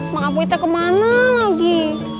bang apoi teh kemana lagi